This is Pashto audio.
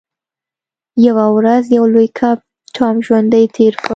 یوه ورځ یو لوی کب ټام ژوندی تیر کړ.